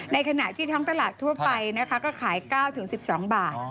ในขณะที่ท้องตลาดทั่วไปนะคะก็ขาย๙๑๒บาท